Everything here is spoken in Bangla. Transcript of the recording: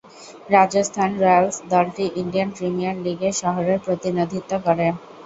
রাজস্থান রয়্যালস দলটি ইন্ডিয়ান প্রিমিয়ার লীগ-এ শহরের প্রতিনিধিত্ব করে।